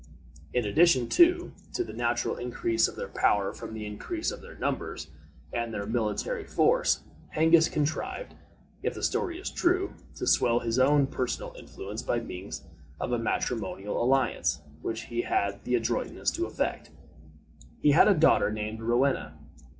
In addition, too, to the natural increase of their power from the increase of their numbers and their military force, Hengist contrived, if the story is true, to swell his own personal influence by means of a matrimonial alliance which he had the adroitness to effect. He had a daughter named Rowena.